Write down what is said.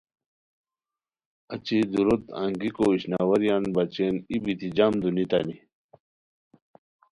اچی دُوروت انگیکواشنواریان بچین ای بیتی جم دونیتانی